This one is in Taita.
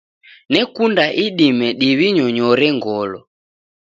Nekunda idime diw'inyorore ngolo.